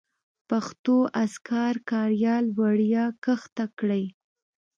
پښتو اذکار کاریال وړیا کښته کړئ.